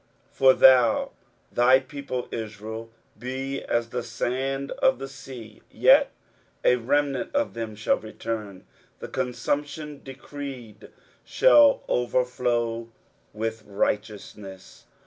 23:010:022 For though thy people Israel be as the sand of the sea, yet a remnant of them shall return: the consumption decreed shall overflow with righteousness.